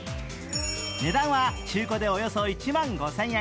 値段は中古でおよそ１万５０００円。